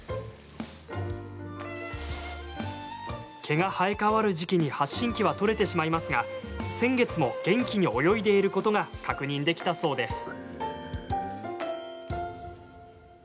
毛が生え変わる時期に発信器は取れてしまいますが先月も元気に泳いでいることが確認できたそうです。